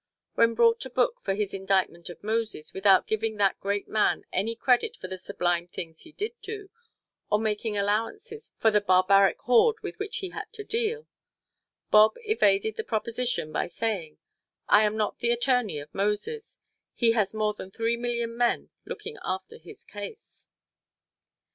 When brought to book for his indictment of Moses without giving that great man any credit for the sublime things he did do, or making allowances for the barbaric horde with which he had to deal, Bob evaded the proposition by saying, "I am not the attorney of Moses: he has more than three million men looking after his case."